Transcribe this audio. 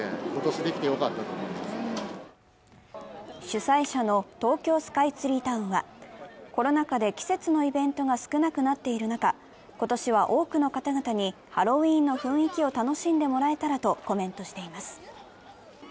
主催者の東京スカイツリータウンはコロナ禍で季節のイベントが少なくなっている中、今年は多くの方々にハロウィーンの雰囲気を楽しんでもらえたらとコメントしています。